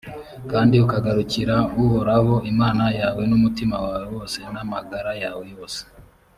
kandi ukagarukira uhoraho imana yawe n’umutima wawe wose, n’amagara yawe yose.